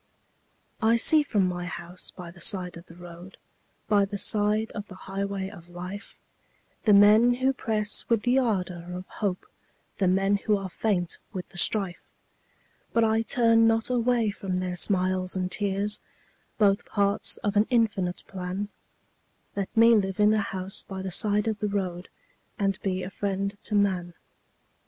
I see from my house by the side of the road By the side of the highway of life, The men who press with the ardor of hope, The men who are faint with the strife, But I turn not away from their smiles and tears, Both parts of an infinite plan Let me live in a house by the side of the road And be a friend to man.